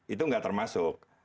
itu nggak termasuk